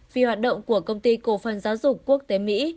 vì hoạt động của công ty cổ phần giáo dục quốc tế mỹ